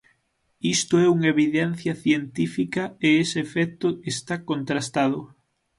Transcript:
Isto é unha evidencia científica e ese efecto está contrastado.